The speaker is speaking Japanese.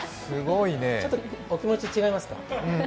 ちょっとお気持ち、違いますか。